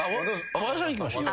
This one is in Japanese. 和田さんいきましょうか。